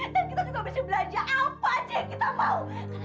dan kita juga bisa belanja apa saja yang kita mau